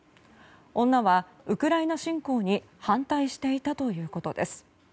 女はウクライナ侵攻に反対していたということです。